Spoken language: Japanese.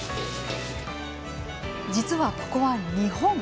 実は、ここは日本。